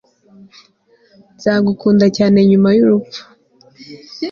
nzagukunda cyane nyuma y'urupfu